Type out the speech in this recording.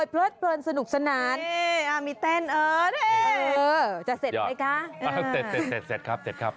เพลิดเพลินสนุกสนานมีเต้นเออนี่จะเสร็จไหมคะเสร็จครับเสร็จครับ